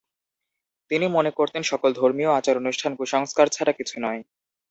তিনি মনে করতেন সকল ধর্মীয় আচার অনুষ্ঠান কুসংস্কার ছাড়া কিছু নয়।